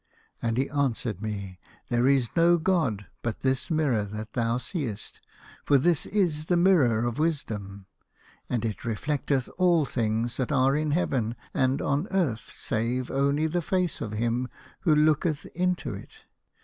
'" And he answered me :' There is no god but this mirror that thou seest, for this is the Mirror of Wisdom. And it reflecteth all things that are in heaven and on earth, save only the face of him who looketh into it.